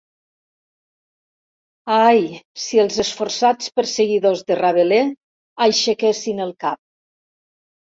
Ai, si els esforçats perseguidors de Rabelais aixequessin el cap!